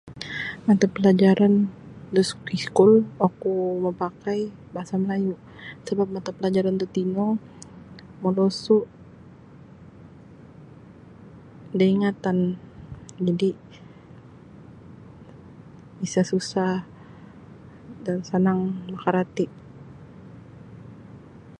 Mata pelajaran da iskul oku mapakai bahasa Melayu sebap mata pelajaran tatino molosu da ingatan jadi isa susah dan sanang makarati.